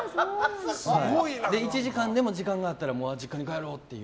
１時間でも時間があったら実家に帰ろうって。